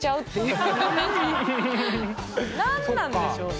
何なんでしょうね。